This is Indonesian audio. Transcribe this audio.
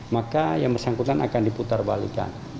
maka yang bersangkutan akan diputar balikan